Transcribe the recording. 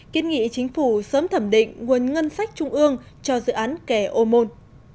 kiến nghị chính phủ sớm thẩm định nguồn ngân sách trung ương cho dự án kè ô môn